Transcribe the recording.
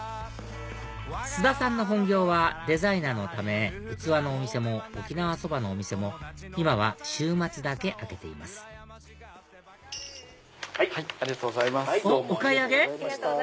須田さんの本業はデザイナーのため器のお店も沖縄そばのお店も今は週末だけ開けていますおっお買い上げ？